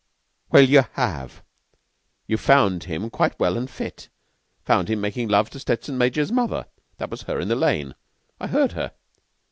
"Well, you have. You found him quite well and fit. Found him makin' love to Stettson major's mother. That was her in the lane I heard her.